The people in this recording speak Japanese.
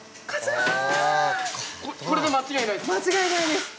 これで間違いないですか。